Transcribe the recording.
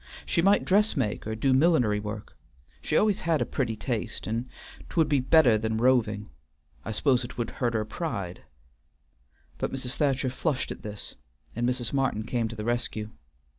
She might dressmake or do millinery work; she always had a pretty taste, and 't would be better than roving. I 'spose 't would hurt her pride," but Mrs. Thacher flushed at this, and Mrs. Martin came to the rescue.